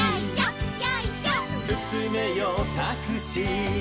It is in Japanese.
「すすめよタクシー」